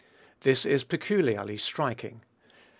This is peculiarly striking.